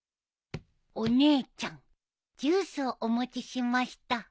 お姉ちゃんジュースをお持ちしました。